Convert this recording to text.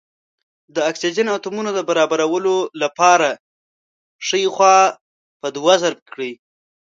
د اکسیجن اتومونو برابرولو لپاره ښۍ خوا په دوه ضرب کړئ.